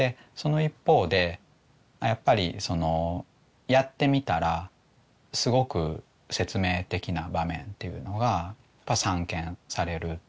その一方でやっぱりやってみたらすごく説明的な場面っていうのがやっぱ散見される。